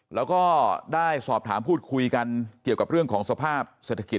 แล้วก็ได้สอบถามพูดคุยกันเกี่ยวกับเรื่องของสภาพเศรษฐกิจ